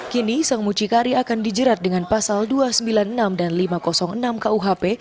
kini sang mucikari akan dijerat dengan pasal dua ratus sembilan puluh enam dan lima ratus enam kuhp